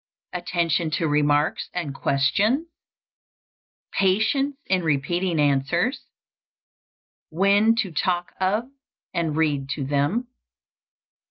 _ Attention to remarks and questions. Patience in repeating answers. _What to talk of and read to them.